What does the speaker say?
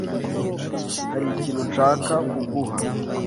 hari ikintu nshaka kuguha.